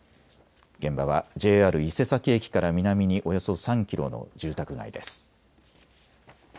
現場はＪＲ伊勢崎駅から南におよそ３キロの住宅街です。